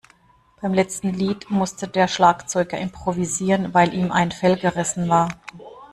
Beim letzten Lied musste der Schlagzeuger improvisieren, weil ihm ein Fell gerissen war.